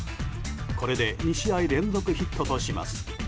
これで２試合連続ヒットとします。